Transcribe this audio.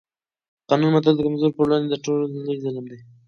د قانون ماتول د کمزورو پر وړاندې تر ټولو لوی ظلم دی